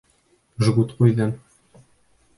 Жгут ҡуйҙым.